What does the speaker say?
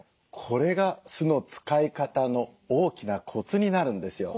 これが酢の使い方の大きなコツになるんですよ。